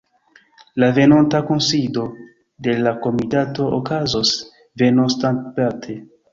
La venonta kunsido de la komitato okazos venontsabate.